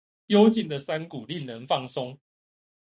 幽靜的山谷令人放鬆